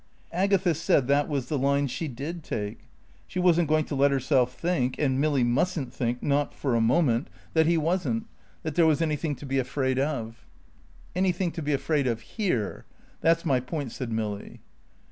Agatha said that was the line she did take. She wasn't going to let herself think, and Milly mustn't think not for a moment that he wasn't, that there was anything to be afraid of. "Anything to be afraid of here. That's my point," said Milly.